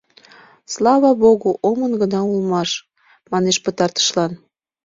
— Слава богу, омын гына улмаш, — мане пытартышлан.